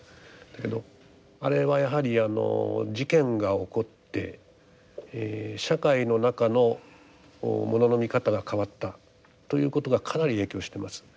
だけどあれはやはりあの事件が起こって社会の中の物の見方が変わったということがかなり影響してます。